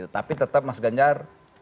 tapi tetap mas ganjar